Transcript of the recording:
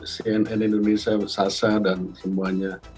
selamat malam cnn indonesia sasa dan semuanya